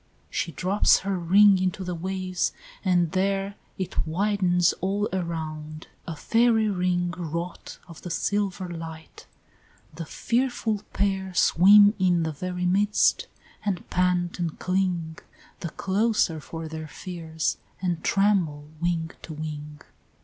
She drops her ring into the waves, and there It widens all around, a fairy ring Wrought of the silver light the fearful pair Swim in the very midst, and pant and cling The closer for their fears, and tremble wing to wing.